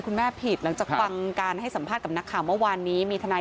ผิดหลังจากฟังการให้สัมภาษณ์กับนักข่าวเมื่อวานนี้มีทนาย